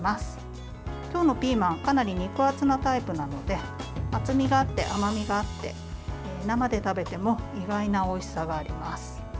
今日のピーマンはかなり肉厚なタイプなので厚みがあって甘みがあって生で食べても意外なおいしさがあります。